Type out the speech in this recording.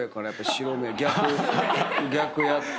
逆やって。